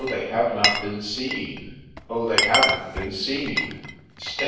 they have not been seen ! Oh ! they haven't been seen 1 Stay